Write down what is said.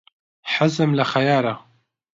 حەزم لە خەیارە.